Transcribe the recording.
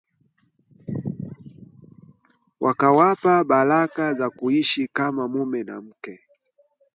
wakawapa baraka za kuishi kama mume na mke